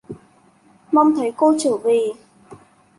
Mong thấy cô trở về